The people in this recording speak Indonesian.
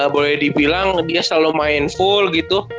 boleh dibilang dia selalu main full gitu